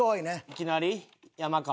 いきなり山川？